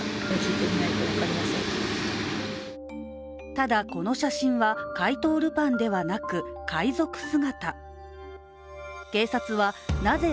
ただ、この写真は怪盗ルパンではなく海賊姿。